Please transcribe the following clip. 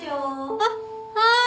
あっはーい。